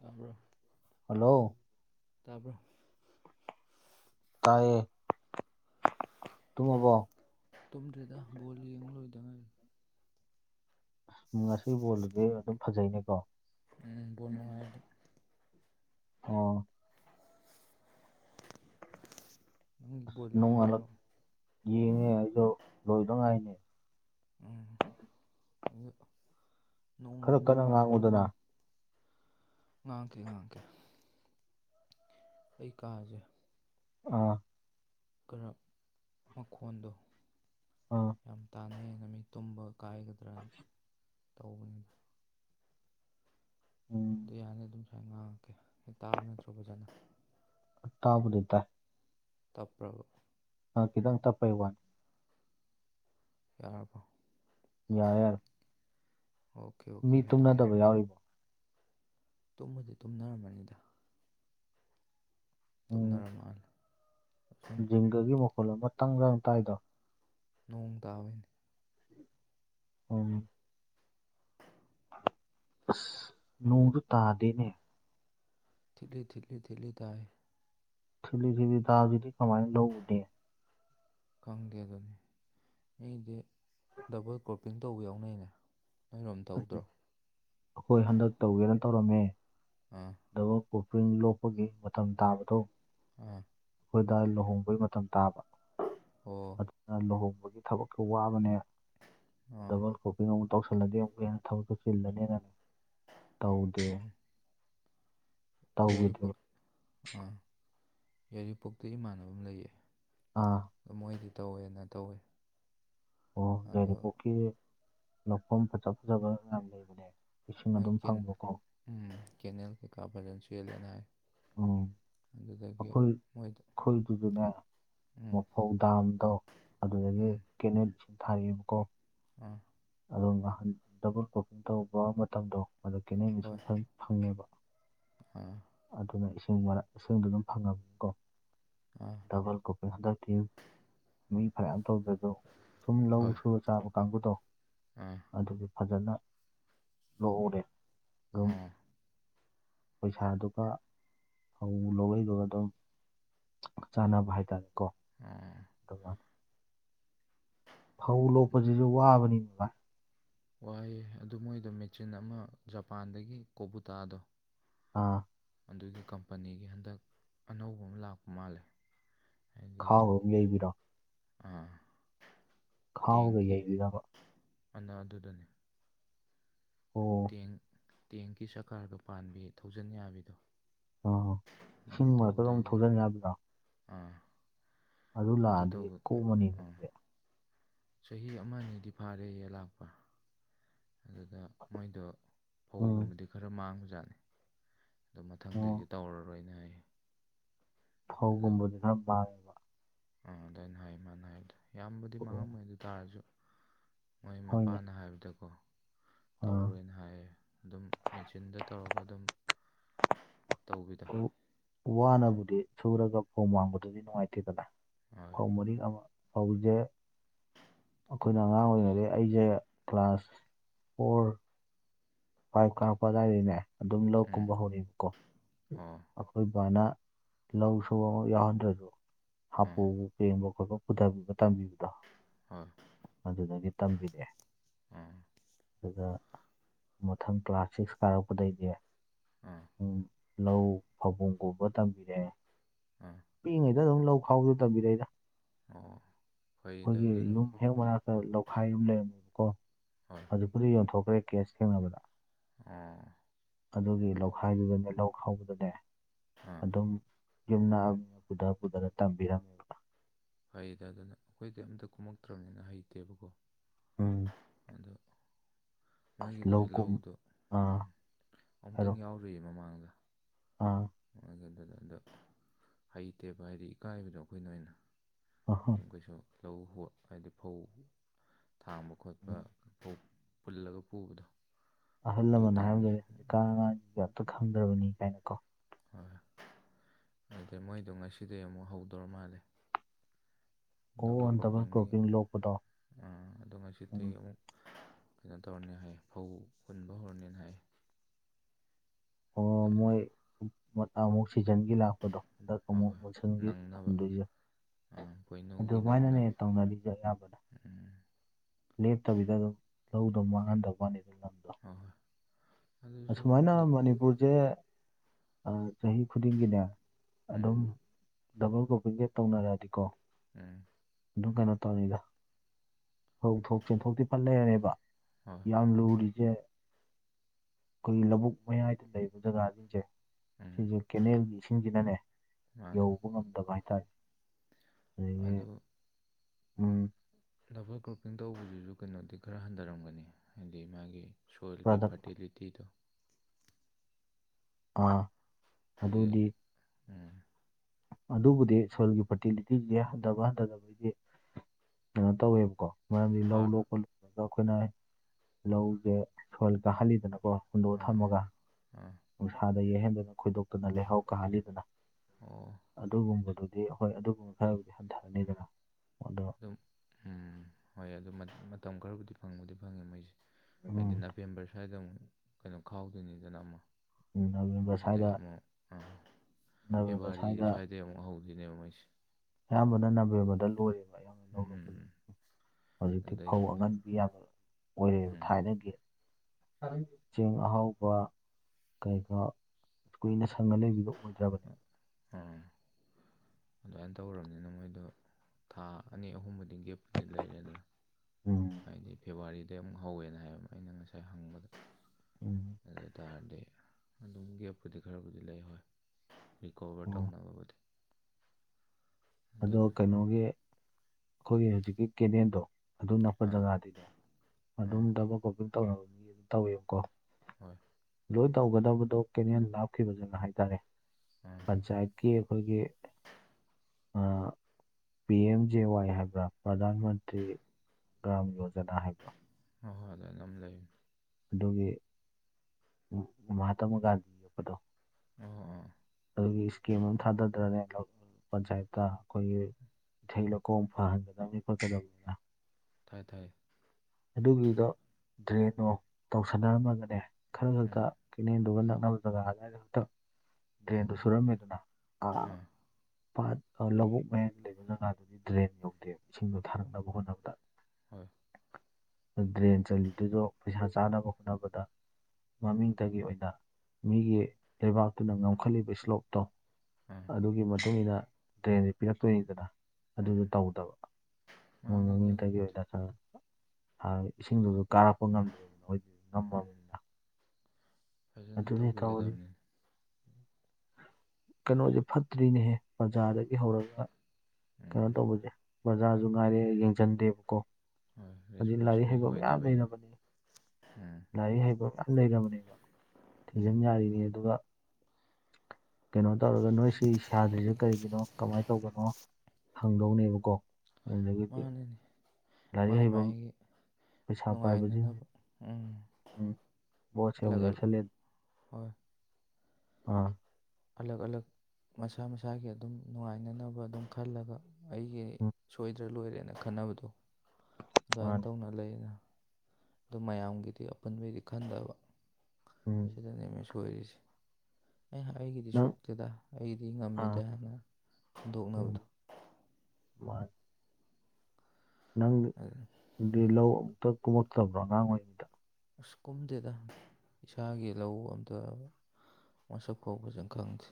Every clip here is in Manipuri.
ꯇ꯭ꯔꯣ ꯍꯜꯂꯣ ꯇꯥꯕ꯭ꯔꯣ ꯇꯥꯏꯌꯦ ꯇꯨꯡꯃꯕꯣ ꯇꯨꯝꯗ꯭ꯦꯗ ꯕꯣꯜ ꯌꯦꯡꯂ ꯂꯣꯏꯗꯉꯥꯏ ꯎꯝ ꯉꯁꯤ ꯕꯣꯜꯗꯨꯗꯤ ꯑꯗꯨꯝ ꯐꯖꯩꯅꯦꯀꯣ ꯎ ꯅꯨꯡꯥꯏ ꯑꯣ ꯅꯪꯒꯤ ꯑꯁ ꯕꯣꯜ ꯅꯣꯡ ꯌꯦꯡꯕ ꯑꯜꯂꯛ ꯅꯠꯇ꯭ꯔꯣ ꯌꯦꯡꯉꯦ ꯑꯩꯗꯣ ꯂꯣꯏꯗꯉꯥꯏꯅꯦ ꯎꯝ ꯅꯣꯡ ꯈꯔ ꯀꯟꯅ ꯉꯥꯟꯗꯧꯔꯤ ꯉꯥꯡꯉꯨꯗꯅ ꯉꯥꯡꯀꯦ ꯉꯥꯡꯀꯦ ꯑꯩ ꯀꯥꯁꯦ [unintelligible] ꯈꯔꯞ ꯃꯈꯣꯟꯗꯣ ꯑꯣ ꯌꯥꯝ ꯇꯥꯟꯅꯩ ꯍꯥꯏꯅ ꯃꯤ ꯇꯨꯝꯕ ꯀꯥꯏꯒꯗ꯭ꯔꯅ ꯇꯧꯕꯅꯤꯅ ꯎꯝ ꯑꯗꯨ ꯌꯥꯅꯤ ꯑꯗꯨꯝ ꯁꯨꯃꯥꯏꯅ ꯉꯥꯡꯉꯛꯀꯦ ꯍ ꯇꯥꯕ ꯅꯠꯇ꯭ꯔꯣ ꯐꯖꯅ ꯇꯥꯞ ꯗꯇ ꯇꯞ꯭ꯔꯕ ꯈꯤꯇꯪ ꯇꯞꯄꯩ ꯋꯥꯅꯤ ꯌꯥꯔꯕꯣ ꯌꯥꯔꯦ ꯌꯥꯔꯦ ꯑꯣꯀꯦ ꯑꯣꯀꯦ ꯃꯤ ꯑꯗꯨꯗꯤ ꯇꯨꯝꯅꯗꯕ ꯌꯥꯎꯔꯤꯕ ꯇꯨꯝꯃꯗꯤ ꯇꯨꯝꯅꯔꯝꯕꯅꯤꯗ ꯎꯝ ꯇꯨꯝꯅꯔ ꯃꯥꯥꯜꯂ ꯖꯤꯡꯒꯒꯤ ꯃꯈꯣꯜ ꯑꯃ ꯇꯪꯖꯥꯏ ꯇꯥꯏꯗꯣ ꯅꯣꯡ ꯇꯥꯎꯅ ꯎꯝ [unintelligible] ꯅ ꯇꯥꯗꯅꯦ ꯊꯤꯂꯤ ꯊꯤꯂꯂꯤ ꯊꯂꯂꯤ ꯇꯥꯏ ꯊꯤꯂꯤ ꯊꯤꯂꯤ ꯇꯗꯥꯖꯗ ꯀꯃꯥꯏ ꯂꯧꯔꯨꯅꯤ ꯈꯪꯗꯦꯕ ꯑꯩꯗꯤ ꯗꯕꯜ ꯀ꯭ꯔꯣꯄꯤꯡ ꯇꯧꯕ ꯌꯥꯎꯅꯩꯅꯦ ꯅꯣꯏꯔꯣꯝ ꯇꯧꯗ꯭ꯔꯣ ꯑꯩꯈꯣꯏ ꯍꯟꯗꯛ ꯇꯧꯒꯦꯅ ꯇꯧꯔꯝꯃꯦ ꯑꯥ ꯗꯕꯥꯜ ꯀꯣꯄ꯭ꯔꯤꯡ ꯂꯣꯛꯄꯒꯤ ꯃꯇꯝ ꯇꯥꯕꯗꯣ ꯑꯥ ꯑꯩꯈꯣꯏ ꯗꯥ ꯂꯨꯍꯣꯡꯕꯒꯤ ꯃꯇꯝ ꯇꯥꯕ ꯑꯣ ꯂꯨꯍꯣꯡꯕꯒꯤ ꯊꯕꯛꯀꯤ ꯋꯥꯕꯅꯦ ꯑꯥ ꯗꯕꯥꯜ ꯀꯩꯅꯣꯝ ꯇꯧꯁꯜꯂꯗꯤ ꯑꯃꯨꯛꯀ ꯍꯦꯟꯅ ꯊꯕꯛꯇꯨ ꯆꯤꯜꯂꯅꯤꯅ ꯇꯧꯗꯦ ꯎꯝ ꯇꯧꯈꯤꯗ꯭ꯔꯦ ꯌꯥꯏꯔꯤꯄꯣꯛ ꯑ ꯌꯥꯏꯔꯤꯄꯣꯛꯇꯩ ꯏꯃꯥꯟꯅꯕ ꯑꯃ ꯂꯩꯌꯦ ꯑꯥ ꯑꯗꯨ ꯃꯣꯏꯗꯤ ꯇꯧꯋꯦꯅ ꯇꯧꯋꯦ ꯑꯣ ꯑꯗꯣ ꯌꯥꯏꯔꯤꯄꯣꯛꯀꯤ ꯂꯧꯐꯝ ꯐꯖ ꯐꯖꯕ ꯌꯥꯝ ꯂꯩꯕꯅꯦ ꯏꯁꯤꯡ ꯃꯣꯏ ꯑꯗꯨꯝ ꯐꯪꯕꯀꯣ ꯀꯦꯅꯦꯜ ꯀꯩꯀꯥ ꯐꯖꯅ ꯆꯦꯜꯂꯦꯅ ꯍꯥꯏ ꯎꯝ ꯑꯗꯨꯗꯒꯤ ꯃꯣꯏꯗ ꯑꯩꯈꯣꯏꯗꯨꯗꯨꯅꯦ ꯃꯐꯧ ꯗꯥꯝꯗꯣ ꯑꯗꯨꯗꯒꯤ ꯎꯝ ꯀꯦꯅꯦꯟ ꯊꯥꯢꯑꯦꯕꯀꯣ ꯑꯥ ꯑꯗꯨꯒ ꯅꯍꯥꯟ ꯗꯕꯜ ꯀꯔꯣꯄꯤꯡ ꯇꯧꯕ ꯃꯇꯝꯗꯣ ꯑꯗ ꯀꯦꯅꯦꯗ ꯍꯣꯏ ꯢꯁꯤꯡ ꯐꯪꯉꯦꯕ ꯑꯥ ꯑꯗꯨꯅ ꯏꯁꯤꯡ ꯃꯔꯛ ꯏꯁꯤꯡꯗꯣ ꯑꯗꯨꯝ ꯐꯪꯉꯝꯅꯤ ꯀꯣ ꯑꯥ ꯗꯕꯜ ꯀꯔꯣꯄꯤꯡ ꯍꯥꯟꯗꯤꯛꯇꯤ ꯃꯤ ꯐꯅꯌꯥꯝ ꯇꯧꯅꯩ ꯑꯗꯣ ꯁꯨꯝ ꯂꯧ ꯍꯣꯏ ꯁꯨꯔ ꯆꯥꯕ ꯀꯥꯡꯕꯨꯗꯣ ꯑꯥ ꯑꯗꯨꯗꯤ ꯐꯖꯅ ꯂꯣꯛꯍꯧꯔꯦ ꯑꯗꯨꯝ ꯑꯥ ꯄꯩꯁꯥꯗꯨꯒ ꯐꯧ ꯂꯧꯔꯛꯏꯗꯨꯒ ꯑꯗꯨꯝ ꯆꯥꯅꯕ ꯍꯥꯏꯇꯥꯔꯦ ꯀꯣ ꯑꯥ [unintelligible] ꯐꯧ ꯂꯣꯛꯄꯁꯤꯁꯨ ꯋꯥꯕꯅꯤꯅꯦ ꯚꯥꯢ ꯋꯥꯏꯑꯦ ꯑꯗꯨ ꯃꯣꯏꯗꯣ ꯃꯦꯆꯤꯟ ꯑꯃ ꯖꯄꯥꯟꯗꯒꯤ ꯀꯣꯕꯨꯨꯇꯥꯗꯣ ꯑꯥ ꯑꯗꯨꯗꯤ ꯀꯝꯄꯅꯤꯒꯤ ꯍꯟꯗꯛ ꯑꯅꯧꯕ ꯑꯃ ꯂꯥꯛꯄ ꯃꯥꯜꯂꯦ ꯍꯥꯏꯗꯤ ꯈꯥꯎꯔꯒ ꯌꯩꯕꯤꯔꯣ ꯑꯥ ꯈꯥꯎꯒ ꯊꯦꯡꯈꯤ ꯌꯩꯕꯤꯔꯕ [inaudible] ꯑꯗ ꯑꯗꯨꯗꯅꯦ ꯑꯣ ꯇꯦꯡ ꯇꯦꯡꯀꯤ ꯆꯥꯀꯥꯒ ꯄꯥꯟꯕꯤ ꯊꯧꯖꯤꯟ ꯌꯥꯕꯤꯗꯣ ꯑꯣ ꯑꯗꯨ ꯏꯁꯤꯡ ꯃꯔꯛꯇꯒ ꯇꯧꯕꯗꯩꯗꯤ ꯊꯧꯖꯟ ꯌꯥꯕꯤꯗꯣ ꯑꯥ ꯑꯗꯨ ꯂꯥꯛꯑꯗꯤ ꯀꯣꯛꯃꯅꯤ ꯑꯥ ꯑꯗꯨꯗꯤ ꯆꯍꯤ ꯑꯃꯅꯤꯗꯤ ꯐꯥꯔꯦꯍꯦ ꯂꯥꯛꯄ ꯑꯗꯨꯗ ꯃꯣꯏꯗꯣ ꯎꯝ ꯐꯧꯒꯨꯝꯕꯗꯤ ꯈꯔ ꯃꯥꯡꯕꯖꯥꯠꯅꯤ ꯑꯗꯣ ꯑꯣ ꯃꯊꯪꯗꯩꯗꯤ ꯇꯧꯔꯔꯣꯏꯅ ꯍꯥꯏꯌꯦ ꯐꯧꯒꯨꯝꯕꯗꯨ ꯈꯔ ꯃꯥꯥꯡꯉꯦ ꯑꯥ ꯑꯗꯨꯃꯥꯢꯅ ꯍꯥꯏ ꯃꯥꯅ ꯍꯥꯏꯗꯢ ꯌꯥꯝꯕꯗꯤ ꯑꯣ ꯃꯥꯡꯉꯝꯃꯣꯏ ꯑꯗꯨ ꯇꯥꯔꯁꯨ ꯃꯣꯏ ꯍꯣꯏꯅꯦ ꯃꯄꯥꯅ ꯍꯥꯏꯕꯗꯀꯣ ꯑꯥ ꯇꯧꯔꯔꯣꯏꯅ ꯍꯥꯏꯌꯦ ꯑꯗꯨꯝ ꯃꯦꯆꯤꯟꯗ ꯇꯧꯔꯒ ꯑꯗꯨꯝ ꯇꯧꯕꯤꯗ ꯋꯥꯅꯕꯨꯗꯤ ꯁꯨꯔꯒ ꯐꯧ ꯃꯥꯡꯕꯗꯨꯗꯤ ꯅꯨꯡꯉꯥꯏꯇꯦꯗꯅ ꯍꯣꯏ ꯐꯧ ꯃꯔꯤꯛ ꯃꯔꯤꯛ ꯅ ꯐꯧ ꯖꯦ ꯑꯩꯈꯣꯏꯅ ꯑꯉꯥꯡ ꯑꯣꯏꯔꯤꯉꯩꯩ ꯑꯩꯁꯦ ꯀ꯭ꯂꯥꯁ ꯐꯣꯔ ꯄꯥꯏꯞ ꯀꯥꯔꯛꯄ ꯑꯗꯨꯗꯥꯋꯥꯏꯗꯅꯦ ꯑꯗꯨꯝ ꯂꯧ ꯎꯝ ꯀꯨꯝꯕ ꯍꯧꯕꯀꯣ ꯑꯣ ꯑꯩꯈꯣꯏ ꯕꯥꯅ ꯂꯧ ꯁ ꯑꯃ ꯌꯥꯎꯍꯟꯗ꯭ꯔꯁꯨꯣ ꯍꯥꯄꯨ ꯑꯥ ꯌꯦꯡꯕ ꯈꯣꯠꯄ ꯄꯨꯊꯕꯤꯕ ꯇꯝꯕꯤꯕꯗꯣ ꯍꯣꯏ ꯑꯗꯨꯗꯒꯤ ꯇꯝꯕꯤꯔꯛꯑꯦ ꯑꯥ ꯑꯗꯨꯗ ꯃꯊꯪ ꯀ꯭ꯂꯥꯁ ꯁꯤꯛꯁ ꯀꯥꯔꯛꯄꯗꯩꯗꯤ ꯑꯥ ꯂꯧ ꯐꯕꯨꯡ ꯀꯕ ꯇꯝꯕꯤꯔꯛꯑꯦ ꯎꯝ ꯄꯤꯛꯏꯉꯩꯗ ꯑꯗꯨꯝ ꯂꯧ ꯈꯥꯎꯁꯨ ꯇꯝꯕꯤꯔꯛꯏꯗ ꯑꯣ ꯐꯩꯗ ꯑꯩꯈꯣꯏꯒꯤ ꯑꯗꯨꯅ ꯌꯨꯝ ꯍꯣꯏ ꯍꯦꯛ ꯃꯅꯥꯛꯇ ꯂꯧꯈꯥꯏ ꯌꯨꯝ ꯂꯩꯔꯝꯃꯦꯕꯀꯣ ꯑꯗꯨ ꯑꯗꯨ ꯌꯣꯟꯊꯣꯛꯈ꯭ꯔꯦ ꯀꯦꯁ ꯊꯦꯡꯅꯕꯗ ꯎꯝ ꯑꯗꯨꯒꯤ ꯂꯧꯈꯥꯏꯗꯨꯗꯅꯦ ꯂꯧ ꯈꯥꯎꯕꯗꯅꯦ ꯑꯥ ꯑꯗꯨꯝ ꯌꯨꯝꯅꯗꯥꯗꯕꯤꯔ ꯐꯩꯗ ꯑꯗꯨꯅ ꯑꯩꯈꯣꯏꯗꯤ ꯑꯝꯇ ꯀꯨꯝꯃꯛꯇ꯭ꯔꯕꯅꯤꯅ ꯍꯩꯇꯦꯕꯀꯣ ꯎꯝ ꯑꯗꯣ ꯑꯁ ꯂꯧ ꯃꯣꯏꯒꯤꯗꯨꯁꯨ ꯀꯨꯝ ꯂꯧꯗꯣ ꯎꯝ ꯑꯥ ꯑꯃꯨꯛꯇꯪ ꯍꯥꯏꯔꯣ ꯌꯥꯎꯔ ꯑꯗꯨꯏ ꯃꯃꯥꯡꯗ ꯑꯥ ꯅꯨꯡꯉꯥꯏꯒ ꯑꯗꯨꯗ ꯑꯗꯣ ꯍꯩꯇꯦꯕ ꯍꯥꯏꯗꯤ ꯏꯀꯥꯏꯕꯗꯣ ꯑꯩꯈꯣꯏꯅ ꯑꯣꯏꯅ ꯑꯍ ꯑꯗꯨꯝ ꯀꯩꯁꯨ ꯂꯧ ꯍꯥꯏꯕꯗꯤ ꯐꯧ ꯊꯥꯡꯕ ꯈꯣꯠꯄ ꯎꯝ ꯐꯧ ꯄꯨꯜꯂꯒ ꯄꯨꯕꯗꯣ ꯑꯍꯜ ꯂꯃꯟꯅ ꯑꯗꯨꯇꯪ ꯍꯥꯏꯔꯝꯗ‌ꯣꯏꯅ‌ꯦ ꯍꯧꯖꯤꯛ ꯀꯥꯟ ꯎꯝ ꯑꯉꯥꯡꯁꯤꯡꯁ‌ꯦ ꯑꯝꯇ ꯈꯪꯗ꯭ꯔꯕꯅꯤ ꯀꯥꯏꯅ ꯀꯣ ꯍꯣꯏ ꯑꯗꯨꯗꯩ ꯃꯣꯏꯗꯣ ꯉꯁꯤꯗꯒꯤ ꯑꯃꯨꯛ ꯍꯧꯗꯧꯔ ꯃꯥꯜꯂꯦ ꯑꯣ ꯗꯕꯜ ꯑꯣꯟ ꯀ꯭ꯔꯣꯄꯤꯡꯒꯤ ꯀ꯭ꯔꯣꯞꯄꯤꯡ ꯂꯣꯛꯄꯗꯣ ꯑꯗꯣ ꯉꯁꯤꯠꯗꯤ ꯎꯝ ꯑꯃꯨꯛ ꯀꯩꯅꯣ ꯇꯧꯔꯅꯤ ꯍꯥꯏ ꯐꯧ ꯍꯨꯟꯕ ꯍꯧꯔꯅꯤꯅ ꯍꯥꯏ ꯑꯣ ꯑꯗꯨꯃꯥꯏꯅ ꯃꯣꯏ ꯇꯥꯃꯨ ꯁꯤꯖꯟꯒꯤ ꯂꯥꯛꯄꯗꯣ ꯍꯟꯗꯛ ꯍꯣꯏ ꯑꯃꯨꯛ ꯍꯣꯏ ꯃꯨꯟꯁꯤꯟꯒꯤ ꯅꯪꯅꯕ ꯊꯨꯝꯗꯣꯏꯁꯦ ꯑꯥ ꯄꯣꯏꯅꯧꯒꯤ ꯑꯗꯨꯃꯥꯏꯅꯅꯦ ꯅꯪꯅꯕ ꯇꯧꯅꯔꯤꯁꯦ ꯑꯌꯥꯝꯕꯅꯣ ꯎꯝ ꯂꯦꯞꯇꯕꯤꯗ ꯑꯗꯨꯝ ꯂꯧꯗꯧ ꯃꯥꯡꯍꯟꯗꯕꯅꯤ ꯑꯗꯨ ꯍꯣꯏ ꯍꯣꯏ ꯑꯗꯨꯁꯨ ꯑꯁꯨꯃꯥꯏꯅ ꯃꯅꯤꯄꯨꯔꯁꯦ ꯆꯍꯤ ꯈꯨꯗꯤꯡꯒꯤꯅꯦ ꯎꯝ ꯑꯗꯨꯝ ꯗꯕꯜ ꯀꯣꯝꯄꯤꯀꯦꯠ ꯇꯧꯅꯔꯛꯑꯗꯤꯀꯣ ꯎꯝ ꯑꯗꯨ ꯀꯩꯅꯣ ꯇꯧꯅꯤꯗ ꯐꯧ ꯊꯣꯛꯣꯛ ꯆꯦꯟꯊꯣꯛꯇꯤ ꯐꯠ ꯂꯩꯔꯅꯦꯕ ꯍꯣꯏ ꯌꯥꯝ ꯂꯨꯔꯤ ꯁꯦ ꯑꯩꯈꯣꯏꯒꯤ ꯂꯧꯕꯨꯛ ꯃꯌꯥꯏꯗ ꯂꯩꯕ ꯖꯒꯥꯁꯤꯡꯁꯦ ꯎꯝ ꯁꯤꯁꯦ ꯀꯦꯅꯦꯜꯒꯤ ꯏꯁꯤꯡꯁꯤꯅꯅꯦ ꯃꯥꯅꯤ ꯌꯧꯕ ꯉꯝꯗꯕ ꯍꯥꯏꯇꯥꯔꯦ ꯑꯗꯒꯤ ꯑꯗꯣ ꯎꯝ ꯗꯕꯜ ꯀ꯭ꯔꯣꯄꯤꯡ ꯇꯧꯕꯁꯤꯁꯨ ꯀꯩꯅꯣꯗꯤ ꯈꯔ ꯍꯟꯊꯔꯝꯒꯅꯤ ꯍꯥꯏꯗꯤ ꯃꯥꯒꯤ ꯁꯣꯏꯜꯒꯤ ꯄ꯭ꯔꯗꯛ ꯐꯔꯇꯤꯂꯤꯇꯤꯗꯣ ꯑꯣ ꯑꯩꯗꯒꯤ ꯎꯝ ꯑꯗꯨꯕꯨꯗꯤ ꯁꯣꯏꯜꯒꯤ ꯐꯔꯇꯤꯂꯤꯇꯤꯗꯤ ꯍꯟꯊꯕ ꯍꯟꯊꯗꯕꯒꯤꯗꯤ ꯀꯩꯅꯣ ꯇꯧꯋꯦꯕꯀꯣ ꯃꯔꯝꯗꯤ ꯂꯧ ꯍꯥꯔ ꯂꯣꯛꯄ ꯂꯣꯏꯒ ꯑꯩꯈꯣꯏꯅ ꯂꯧꯁꯦ ꯁꯣꯏ ꯀꯥꯍꯜꯂꯤꯗꯅꯀꯣ ꯍꯨꯟꯗꯣꯛꯑ ꯎꯝ ꯎꯝ ꯊꯝꯃꯒ ꯎꯝ ꯅꯨꯡꯁꯥꯗ ꯌꯩꯍꯟꯗꯨꯅ ꯈꯣꯏꯗꯣꯛꯇꯨꯅ ꯂꯩꯍꯥꯎ ꯀꯥꯍꯜꯂꯤꯗꯅ ꯑꯣ ꯑꯗꯨꯒꯨꯝꯕꯗꯨꯗꯤ ꯍꯣꯏ ꯑꯗꯨꯒꯨꯝꯕ ꯈꯔꯕꯨꯗꯤ ꯍꯟꯊꯔꯅꯤꯗꯅ ꯑꯗꯣ ꯑꯗꯨꯝ ꯎꯝ ꯍꯣꯏ ꯑꯗꯨ ꯃꯇꯝ ꯈꯔꯕꯨꯗꯤ ꯐꯪꯕꯗꯤ ꯐꯪꯉꯦ ꯃꯣꯏꯁꯦ ꯍꯥꯏꯗꯤ ꯎꯝ ꯁ‌ꯦꯇ‌ꯦꯝꯕꯔ ꯁ꯭ꯋꯥꯏꯗ ꯑꯃꯨꯛ ꯀꯩꯅꯣ ꯈꯥꯎꯗꯣꯏꯅꯤꯗꯅ ꯑꯃꯨꯛ ꯅꯕꯦꯝꯕꯔ ꯑꯗꯨꯗꯩ ꯁ꯭ꯋꯥꯏꯗ ꯑꯃꯨꯛ ꯑꯥ ꯅꯕꯦꯝꯕꯔ ꯐꯦꯕꯋꯥꯔꯤ ꯁ꯭ꯋꯥꯏꯗ ꯁ꯭ꯋꯥꯏꯗꯩ ꯑꯃꯨꯛ ꯍꯧꯗꯣꯏꯅꯦꯕ ꯃꯣꯏꯁꯦ꯫ ꯑꯌꯥꯝꯕꯅ ꯅꯕꯦꯝꯕꯔꯗ ꯂꯣꯏꯌꯦ꯫ ꯎꯝ ꯎꯝ꯫ ꯍꯧꯖꯤꯛꯇꯤ ꯑꯗꯨꯗꯩ ꯐꯧ ꯑꯉꯟꯕꯤ ꯌꯥꯝꯅ ꯑꯣꯏꯔꯦꯕ ꯎꯝ ꯊꯥꯏꯅꯒꯤ꯫ ꯆꯦꯡ ꯑꯍꯥꯎꯕ꯫ ꯀꯩꯀꯥ ꯀꯨꯏꯅ ꯁꯪꯉ ꯂꯩꯕꯤꯗ‌ꯣ ꯑꯣꯏꯗ꯭ꯔꯕꯅꯦ꯫ ꯑꯥ ꯑꯗꯨꯃꯥꯏꯅ ꯇꯧꯔꯕꯅꯤꯅ ꯃꯣꯏꯗꯣ ꯊꯥ ꯑꯅꯤ ꯑꯍꯨꯝꯕꯨꯗꯤ ꯒꯦꯞꯄꯨꯗꯤ ꯂꯩꯔꯦꯗꯅ꯫ ꯎꯝ꯫ ꯍꯥꯏꯗꯤ ꯐꯦꯕꯋꯥꯔꯤꯗꯩ ꯑꯃꯨꯛ ꯍꯧꯋꯦꯅ ꯍꯥꯏꯌꯦꯕ ꯑꯩꯅ ꯉꯁꯥꯏ ꯍꯪꯕꯗ꯫ ꯎꯝ ꯑꯗꯨ ꯇꯥꯔꯗꯤ ꯑꯗꯨꯝ ꯒꯦꯞꯄꯨꯗꯤ ꯈꯔꯕꯨꯗꯤ ꯂꯩ ꯍꯣꯏ꯫ ꯔꯤꯀꯣꯚꯔ ꯑꯣ ꯇꯧꯅꯕꯅꯕꯕꯨꯗꯤ꯫ ꯑꯗꯣ ꯀꯩꯅꯣꯒꯤ ꯑꯩꯈꯣꯏꯒꯤ ꯍꯧꯖꯤꯛꯀꯤ ꯀꯦꯅꯦꯟꯗꯣ꯫ ꯑꯗꯨ ꯅꯛꯄ ꯑꯥ ꯖꯒꯥꯗꯤꯅꯦ ꯑꯗꯨꯝ ꯑꯥ ꯗꯕꯜ ꯀꯣꯄꯤꯡ ꯇꯧꯅꯕ ꯃꯤ ꯑꯗꯨ ꯇꯧꯋꯦꯕꯀꯣ꯫ ꯍꯣꯏ꯫ ꯂꯣꯏ ꯇꯧꯒꯗꯕꯗꯣ ꯀꯦꯅꯦꯟ ꯂꯥꯞꯈꯤꯕꯁꯤꯅ ꯍꯥꯏꯇꯥꯔꯦ ꯑꯥ ꯄꯟꯆꯥꯌꯦꯠ ꯀꯦꯕꯒꯤ꯫ ꯑ꯫ ꯄꯤ ꯑꯦꯝ ꯖꯦ ꯋꯥꯏ ꯍꯥꯏꯕ꯭ꯔꯥ ꯄ꯭ꯔꯙꯥꯟ ꯃꯟꯇ꯭ꯔꯤ ꯒ꯭ꯔꯥꯝ ꯌꯣꯖꯥꯅꯥ ꯍꯥꯏꯕ꯭ꯔꯥ꯫ ꯍꯣꯏ ꯍꯣꯏ ꯑꯗꯨꯃꯥꯏꯅ ꯑꯝ ꯂꯩꯕꯅꯤ꯫ ꯑꯗꯨꯒꯤ ꯃꯍꯥꯇꯃꯥ ꯒꯥꯟꯙꯤ ꯌꯦꯛꯄꯗꯣ꯫ ꯑꯣ ꯑꯥ ꯑꯗꯨꯒꯤ ꯏꯁꯀꯦꯝ ꯑꯃ ꯊꯥꯗꯔ [unintelligible] ꯄꯟꯆꯥꯌꯦꯠꯇ ꯑꯩꯈꯣꯏꯒꯤ ꯏꯊꯩ ꯂꯧꯀꯣꯡ ꯐꯍꯟꯒꯗꯕꯅꯤ ꯈꯣꯠꯀꯗꯕꯅꯤꯅ꯫ ꯊꯥꯏ ꯊꯥꯏ꯫ ꯑꯗꯨꯒꯤꯗꯣ ꯗ꯭ꯔꯦꯗꯣ ꯇꯧꯁꯟꯅꯔꯝꯃꯒꯅꯦ ꯈꯔ ꯈꯛꯇ꯫ ꯎꯝ ꯀꯤꯅꯦꯜ ꯗꯨꯒ ꯅꯛꯅꯕ ꯖꯒꯥ ꯑꯗꯨꯗꯥꯏꯒ ꯑꯝꯛꯇ ꯗ꯭ꯔꯦꯟꯗꯨꯣ ꯁꯨꯔꯝꯃꯤꯗꯅ ꯑꯥ꯫ ꯄꯥꯠ ꯂꯧꯕꯨꯛ ꯃꯌꯥꯟ ꯂꯩꯕ ꯖꯒꯥꯗꯨꯗꯤ ꯗ꯭ꯔꯦꯟ ꯌꯧꯗꯦꯕ ꯏꯁꯤꯡꯗꯣ ꯊꯥꯔꯛꯅꯕ ꯍꯣꯠꯅꯕꯗ꯫ ꯍꯣꯏ꯫ ꯗ꯭ꯔꯦꯟ ꯆꯂꯤꯗꯨꯗꯣ ꯄꯩꯁꯥ ꯆꯥꯅꯕ ꯍꯣꯠꯅꯕꯗ꯫ ꯃꯃꯤꯡꯇꯒꯤ ꯑꯣꯏꯅ ꯃꯤꯒꯤ ꯂꯩꯕꯥꯛꯇꯨꯅ ꯉꯝꯈꯠꯂꯤꯕ ꯏꯁꯂꯣꯞꯇꯣ꯫ ꯑꯥ ꯑꯗꯨꯒꯤ ꯃꯇꯨꯡ ꯏꯟꯅ ꯗ꯭ꯔꯦꯟꯁꯦ ꯄꯤꯔꯛꯇꯣꯏꯅꯤꯗꯅ꯫ ꯎꯝ ꯑꯗꯨꯁꯨ ꯇꯧꯗꯕ ꯃꯣꯏ ꯃꯥꯅꯤꯗ ꯃꯃꯤꯡꯇꯒꯤ ꯑꯗꯨꯕꯨꯗꯤ ꯑꯣꯏꯅ꯫ ꯏꯁꯤꯡꯗꯨꯁꯨ ꯀꯥꯔꯛꯄ ꯉꯝꯗ꯭ꯔꯦꯗꯅ ꯃꯣꯏꯗꯤꯗꯤ ꯎꯝ ꯉꯝꯃꯝ ꯐꯖꯅ ꯇꯧꯔꯤ ꯇꯧꯕꯤꯒꯗꯕꯅꯤ꯫ ꯀꯩꯅꯣꯁꯦ ꯐꯠꯇ꯭ꯔꯤꯅꯦꯍꯦ ꯄꯔꯖꯥꯔꯗꯒꯤ ꯍꯧꯔꯒ ꯀꯩꯅꯣ ꯎꯝ ꯇꯧꯕꯁꯦ꯫ ꯄꯔꯖꯥꯁꯨ ꯉꯥꯏꯔꯦ ꯌꯦꯡꯁꯤꯟꯗꯦꯕꯀꯣ ꯍꯣꯏ ꯍꯧꯖꯤꯛ ꯂꯥꯏꯔꯤꯛ ꯔꯦꯁꯄꯣꯟꯁꯤꯕꯜ ꯍꯩꯕ ꯃꯌꯥꯝ ꯑꯣꯏꯗꯕꯩꯅꯤ ꯂꯩꯅꯕꯅꯤ꯫ ꯎꯝ ꯂꯥꯏꯔꯤꯛ ꯍꯩꯕ ꯃꯌꯥꯝ ꯂꯩꯒꯔꯕꯅꯦꯕ ꯎꯝ ꯐꯣꯖꯤꯟ ꯌꯥꯔꯤꯅꯤ ꯑꯗꯨꯒ ꯀꯩꯅꯣ ꯇꯧꯔꯒ ꯅꯣꯏꯁꯤ ꯁꯥꯗ꯭ꯔꯤꯁꯦ ꯀꯔꯤꯒꯤꯅꯣ ꯀꯃꯥꯏꯅ ꯇꯧꯕꯅꯣ꯫ ꯐꯪꯗꯧꯅꯦꯕꯀꯣ꯫ ꯃꯥꯅꯤꯅꯦ ꯂꯥꯏꯔꯤꯛ ꯃꯥꯏ ꯍꯩꯕ ꯃꯥꯏꯒꯤ ꯅꯨꯡꯉꯥꯏꯅꯕ ꯎꯝ꯫ ꯎꯝ ꯕꯣꯠꯁꯤ ꯑꯃꯨꯛ ꯑꯂꯛ ꯑꯂꯛ ꯂꯦꯞꯁꯤꯜꯂꯦ ꯍꯣꯏ ꯑꯥ꯫ ꯑꯂꯛ ꯑꯂꯛ ꯃꯁꯥ ꯃꯁꯥꯒꯤ ꯑꯗꯨꯝ ꯅꯨꯡꯉꯥꯏꯅꯅꯕ ꯑꯗꯨꯝ ꯈꯜꯂꯒ꯫ ꯑꯩꯒꯤ ꯑꯩ ꯎꯝ ꯁꯣꯏꯗ꯭ꯔ ꯂꯣꯏꯔꯦꯅ ꯈꯟꯅꯕꯗꯣ ꯑꯗꯨꯃꯥꯏꯅ ꯃꯥꯅꯦ ꯇꯧꯅ ꯂꯩꯌꯦꯅ꯫ ꯑꯗꯨ ꯃꯌꯥꯝꯒꯤꯗꯤ ꯑꯄꯨꯟꯕꯒꯤꯗꯤ ꯈꯟꯗꯕ꯫ ꯎꯝ꯫ ꯁꯤꯗꯅꯦꯃꯤ ꯁꯣꯏꯔꯤꯁꯦ꯫ ꯑꯦ ꯑꯩꯒꯤꯗꯤ ꯅꯪ ꯁꯣꯛꯇꯦꯗ ꯑꯩꯒꯤꯗꯤ ꯑꯥ ꯉꯝꯃꯤꯗ ꯍꯥꯏꯅ ꯍꯟꯗꯣꯛꯅꯕꯗꯣ꯫ ꯃꯥꯅꯤ꯫ ꯑꯗꯨꯅ ꯅꯪꯗꯤ ꯂꯧ ꯑꯃꯨꯛꯇ ꯀꯨꯝꯃꯛꯇꯕ꯭ꯔꯣ ꯑꯉꯥꯡ ꯑꯣꯏꯔꯤꯉꯩꯗ꯫ ꯑꯁ ꯀꯨꯝꯗꯦꯗ ꯏꯁꯥꯒꯤ ꯂꯧ ꯑꯝꯇ ꯃꯁꯛ ꯐꯥꯎꯕꯁ ꯈꯪꯗꯦ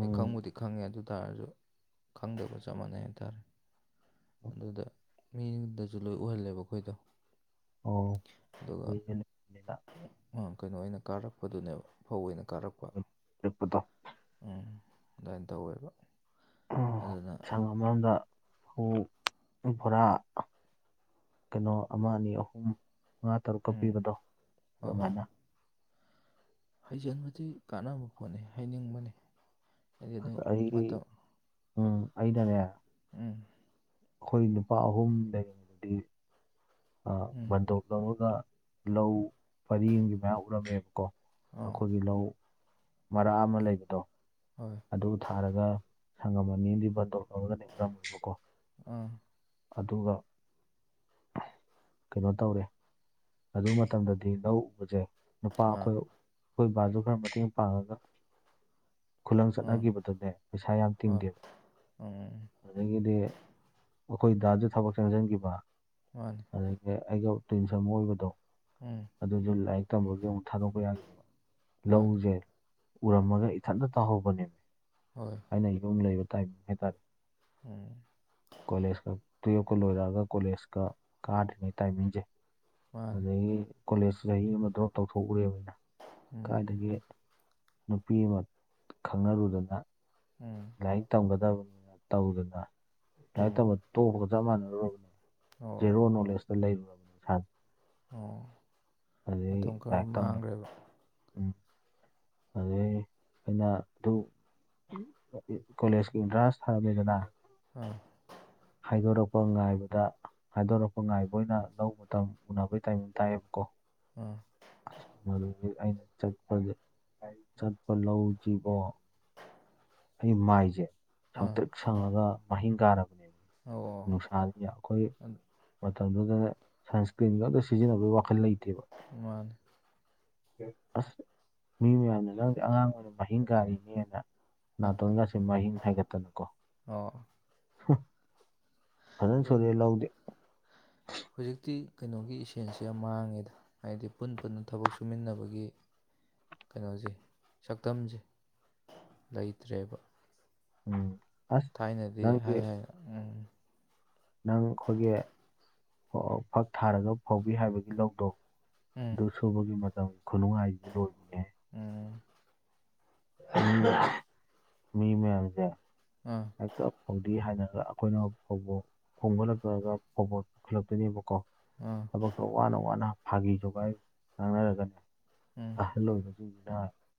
ꯑꯩ ꯈꯪꯕꯨꯗꯤ ꯈꯪꯉꯦ ꯑꯗꯨ ꯇꯥꯔꯁꯨ ꯈꯪꯗꯕ ꯆꯞ ꯃꯥꯟꯅꯩ ꯍꯥꯏ ꯇꯥꯔꯦ ꯑꯗꯨꯗ ꯃꯤꯗꯁꯨ ꯂꯣꯏ ꯎꯍꯜꯂꯦꯕ ꯑꯩꯈꯣꯏꯗꯣ ꯑꯣ ꯑꯗꯨꯒ ꯀꯨꯏꯅ ꯂꯩꯕꯅꯤꯅ ꯀꯩꯅꯣ ꯑꯣꯏꯅ ꯀꯥꯔꯛꯄꯗꯨꯅꯦꯕ ꯐꯧ ꯑꯣꯏꯅ ꯀꯥꯔꯛꯄ ꯂꯩꯄꯗ ꯎꯝ ꯑꯗꯨꯃꯥꯏꯅ ꯇꯧꯋꯦꯕ ꯑꯗꯨꯅ ꯁꯪ ꯑꯃꯔꯣꯝꯗ ꯐ ꯕꯣꯔꯥ ꯀꯩꯅꯣ ꯑꯃ ꯑꯅꯤ ꯑꯍꯨꯝ ꯃꯉꯥ ꯇꯔꯨꯛꯀ ꯎꯝ ꯄꯤꯕꯗꯣ ꯍꯣꯏ ꯍꯣꯏ ꯑꯗꯨꯃꯥꯏꯅ ꯍꯩꯖꯤꯟꯕꯗꯤ ꯀꯥꯟꯅꯕ ꯄꯣꯠꯅꯤ ꯍꯥꯏꯅꯤꯡꯕꯅꯤ ꯑꯁ ꯑꯩ ꯎꯝ ꯑꯩꯗꯅꯦ ꯎꯝ ꯑꯩꯈꯣꯏ ꯅꯨꯄꯥ ꯑꯍꯨꯝ ꯂꯩ ꯎꯝ ꯕꯟꯊꯣꯛ ꯂꯧꯔꯒ ꯂꯧ ꯄꯔꯤ ꯃꯌꯥ ꯎꯠꯂꯝꯝꯃꯦꯕꯀꯣ ꯑꯥ ꯑꯩꯈꯣꯏꯒꯤ ꯂꯧ ꯃꯔꯥ ꯑꯃ ꯂꯩꯕꯗꯣ ꯍꯣꯏ ꯑꯗꯨ ꯊꯥꯔꯒ ꯁꯪꯉꯝꯃꯅꯤꯗꯤ ꯕꯟꯇꯣ ꯇꯧꯔꯒꯗꯤ ꯎꯔꯝꯃꯦꯕꯀꯣ ꯑꯥ ꯑꯗꯨꯒ ꯀꯩꯅꯣ ꯇꯧꯔꯦ ꯑꯗꯨ ꯃꯇꯝꯗꯗꯤ ꯂꯧ ꯎꯕꯁꯦ ꯅꯨꯄꯥ ꯑꯥ ꯑꯥ ꯑꯩꯈꯣꯏ ꯑꯩꯈꯣꯏ ꯕꯥꯁꯨ ꯈꯔ ꯃꯇꯦꯡ ꯄꯥꯡꯉꯒ ꯈꯨꯂꯪ ꯆꯠꯅꯈꯤꯕꯗ ꯑꯗꯨꯅꯦ ꯄꯩꯁꯥ ꯌꯥꯝ ꯍꯣꯏ ꯇꯤꯡꯗꯦꯕ ꯎꯝ ꯑꯗꯒꯤꯗꯤ ꯑꯩꯈꯣꯏ ꯗꯥꯁꯨ ꯊꯕꯛ ꯆꯪꯁꯤꯟꯈꯤꯕ ꯃꯥꯅꯦ ꯑꯗꯒꯤ ꯑꯩꯒ ꯇ꯭ꯋꯤꯟꯁ ꯑꯃ ꯑꯣꯏꯕꯗꯣ ꯎꯝ ꯑꯗꯨꯁꯨ ꯂꯥꯏꯔꯤꯛ ꯇꯝꯕꯒꯤ ꯑꯃꯨꯛ ꯊꯥꯗꯣꯛꯄ ꯌꯥꯈꯤꯗꯕ ꯃꯥꯅꯤ ꯂꯧꯁꯦ ꯎꯔꯝꯃꯒ ꯏꯊꯟꯗ ꯇꯥꯍꯧꯕꯅꯦꯕ ꯍꯣꯏ ꯑꯩꯅ ꯏ ꯂꯩꯕ ꯇꯥꯏꯝ ꯍꯥꯏꯇꯥꯔꯦ ꯎꯝ ꯀꯣꯂꯦꯖꯀ ꯇꯨꯌꯦꯜꯐꯀ ꯂꯣꯏꯔꯛꯑꯒ ꯀꯣꯂꯦꯖꯀ ꯀꯥꯗ꯭ꯔꯤꯉꯩ ꯇꯥꯏꯃꯤꯡꯁꯦ ꯃꯥꯅꯤ ꯑꯗꯒꯤ ꯀꯣꯂꯦꯖ ꯆꯍꯤ ꯑꯃ ꯗ꯭ꯔꯣꯞ ꯇꯧꯊꯣꯛꯎꯦꯕꯅꯤꯅ ꯎꯝ ꯀꯥꯏꯗꯒꯤ ꯅꯨꯄꯤ ꯑꯃ ꯈꯪꯅꯔꯨꯗꯅ ꯎꯝ ꯂꯥꯏꯔꯤꯛ ꯇꯝꯒꯗꯕꯅꯤꯅ ꯇꯧꯗꯅ ꯂꯥꯏꯔꯤꯛ ꯎꯝ ꯇꯝꯕ ꯇꯣꯛꯄꯒ ꯆꯞ ꯃꯥꯟꯅꯔꯨꯔꯕꯅꯦ ꯑꯣ ꯖꯦꯅꯔꯣ ꯅꯣꯂꯦꯖꯇ ꯂꯩꯔ ꯑꯣ ꯑꯗꯩ ꯃꯇꯝ ꯈꯔ ꯂꯥꯏꯔꯤꯛ ꯇꯝꯕ ꯃꯥꯡꯈ꯭ꯔꯦꯕ ꯎꯝ ꯑꯗꯨꯗꯒꯤ ꯑꯩꯅ ꯑꯗꯨ ꯀꯣꯂꯦꯖꯀꯤ ꯑꯦꯟꯇ꯭ꯔꯥꯟꯁ ꯊꯥꯅꯤꯗꯅ ꯑꯥ ꯍꯥꯏꯗꯣꯔꯛꯄ ꯉꯥꯏꯕꯗ ꯍꯥꯏꯗꯣꯔꯛꯄ ꯉꯥꯏꯕ ꯑꯣꯏꯅ ꯂ ꯃꯇꯝ ꯎꯅꯕꯒꯤ ꯇꯥꯏꯃꯤꯟ ꯇꯥꯏꯌꯦꯕꯀꯣ ꯎꯝ ꯑꯩꯅ ꯆꯠꯄꯁ ꯑꯩꯅ ꯆꯠꯄ ꯂꯧꯁꯤꯕꯣ ꯑꯩꯒꯤ ꯃꯥꯏꯁꯦ ꯑꯥ ꯁꯪꯇ꯭ꯔꯤꯛ ꯁꯪꯉꯒ ꯃꯍꯤꯡ ꯀꯥꯔꯕꯅꯦꯕ ꯑꯣ ꯅꯨꯡꯁꯥ ꯑꯩꯈꯣꯏ ꯑꯗꯨ ꯃꯇꯝꯗꯨꯗ ꯁꯟꯁꯀ꯭ꯔꯤꯟꯒ ꯑꯇ ꯁꯤꯖꯤꯟꯅꯕꯒꯤ ꯋꯥꯈꯜ ꯂꯩꯇꯦꯕ ꯃꯥꯅ ꯑꯁ ꯃꯤ ꯃꯌꯥꯝꯅ ꯅꯪꯗꯦ ꯑꯉꯥꯡ ꯑꯣꯏꯅ ꯃꯍꯤꯡ ꯀꯥꯔꯤꯅꯦꯅ ꯅꯥꯇꯣꯟꯒꯁꯤꯦ ꯃꯍꯤꯡ ꯍꯥꯏꯒꯠꯇꯅꯀꯣ ꯑꯣ ꯐꯖꯅ ꯑꯗꯨ ꯁꯣꯂꯦ ꯂꯧꯥꯎꯗꯦ ꯍꯧꯖꯤꯛꯇꯤ ꯀꯩꯅꯣꯒꯤ ꯏꯁꯦꯟꯁꯤꯦ ꯌꯥꯝ ꯃꯥꯡꯉꯦꯗ ꯍꯥꯏꯗꯤ ꯄꯨꯟ ꯄꯨꯟꯅ ꯊꯕꯛ ꯁꯨꯃꯤꯟꯅꯕꯒꯤ ꯀꯩꯅꯣꯁꯦ ꯁꯛꯇꯝꯁꯦ ꯂꯩꯇ꯭ꯔꯦꯕ ꯎꯝ ꯑꯁ ꯊꯥꯏꯅꯗꯤ ꯅꯪꯒꯤ ꯍꯥꯏ ꯍꯥꯏ ꯎꯝ ꯅꯪ ꯑꯩꯈꯣꯏꯒꯤ ꯐꯛ ꯊꯥꯔꯒ ꯐꯧꯕꯤ ꯍꯥꯏꯕꯒꯤ ꯂꯧꯗꯣ ꯎꯝ ꯑꯗꯨ ꯁꯨꯕꯒꯤ ꯃꯇꯝ ꯈꯨꯅꯨꯡꯉꯥꯏꯁ ꯂꯣꯏꯅꯤꯡꯉ ꯎꯝ ꯗ ꯃꯤꯃꯦ ꯑꯗ ꯑꯥ ꯍꯦꯛꯇ ꯐꯧꯗ ꯍꯥꯏꯅꯔꯒ ꯑꯩꯈꯣꯏꯅ ꯐꯥꯎꯕ ꯈꯣꯡꯕꯂꯛꯛꯇꯑꯒ ꯐꯣꯕꯣꯜ ꯄꯨꯈꯠꯂꯛꯇꯣꯏꯅꯦꯕꯀꯣ ꯑꯥ ꯊꯕꯛꯇꯣ ꯋꯥꯅ ꯋꯥꯅ ꯐꯥꯒꯤꯁꯨꯨꯒꯥꯏ ꯉꯥꯡꯅꯔꯒꯅꯤ ꯎꯝ ꯑꯍꯜ ꯑꯣꯏꯕꯁꯤꯡꯗꯨꯅ